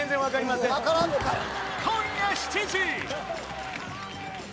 今夜７時。